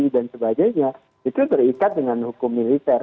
dan sebagainya itu terikat dengan hukum militer